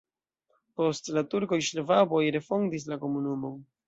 Post la turkoj ŝvaboj refondis la komunumon.